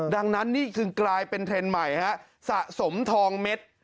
ดังนั้นนี่คือกลายเป็นเทรนด์ใหม่ฮะสะสมทองเม็ด